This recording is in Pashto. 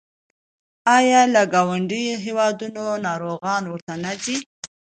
آیا له ګاونډیو هیوادونو ناروغان ورته نه ځي؟